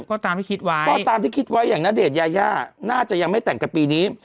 ก็ตามที่คิดไว้อย่างณเดชน์ยายาน่าจะยังไม่แต่งกับปีนี้